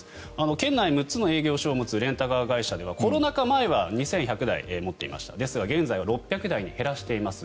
県内６つの営業所を持つレンタカー会社ではコロナ禍前は２１００台持っていましたが現在は６００台に減らしています。